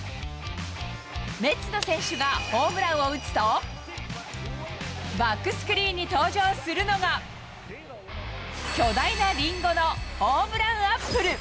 メッツの選手がホームランを打つと、バックスクリーンに登場するのが、巨大なリンゴのホームラン・アップル。